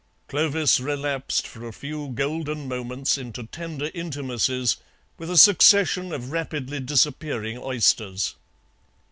Clovis relapsed for a few golden moments into tender intimacies with a succession of rapidly disappearing oysters.